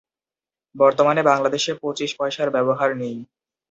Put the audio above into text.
বর্তমানে বাংলাদেশে পঁচিশ পয়সার ব্যবহার নেই।